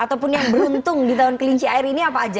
ataupun yang beruntung di tahun kelinci air ini apa aja